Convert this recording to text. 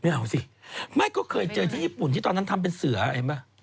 สิไม่ก็เคยเจอที่ญี่ปุ่นที่ตอนนั้นทำเป็นเสือเห็นป่ะ